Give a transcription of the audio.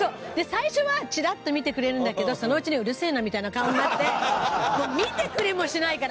最初はチラッと見てくれるんだけどそのうちに「うるせえな」みたいな顔になって見てくれもしないから。